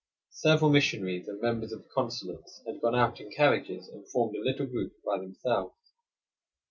Several missionaries and members of the consulates had gone out in carriages, and formed a little group by themselves.